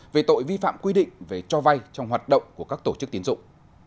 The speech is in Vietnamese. về tội vi phạm quy định về cho vay trong hoạt động của các tổ chức tiến dụng